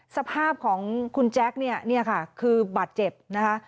สภาพของคุณแจ็คคือบาดเจ็บนะคะ